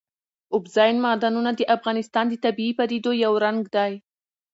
اوبزین معدنونه د افغانستان د طبیعي پدیدو یو رنګ دی.